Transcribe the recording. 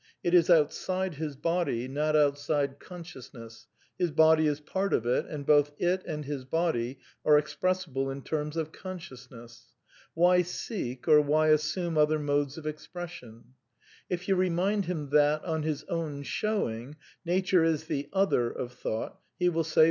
It is outside his body, not outside consciousness; his body isv; part of it, and both it and his body are expressible in termis of consciousness. Why seek, or why assume other modes of expression? If you rei^ind hL that, on his own showing, Nature is the " other " of Thought, he will say.